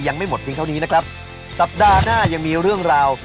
ยังไม่หมดเพียงเท่านี้นะครับสัปดาห์หน้ายังมีเรื่องราว